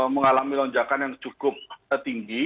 mengalami lonjakan yang cukup tinggi